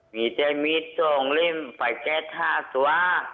มีแจมิตซ่องเล่มไปแก๊ส๕ตัว